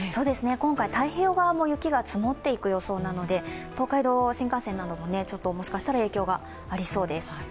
今回、太平洋側も雪が積もっていく予想なので東海道新幹線などももしかしたら影響がありそうです。